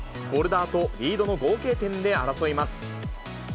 ボルダーとリードの合計点で争います。